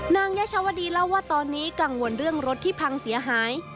ยชาวดีเล่าว่าตอนนี้กังวลเรื่องรถที่พังเสียหาย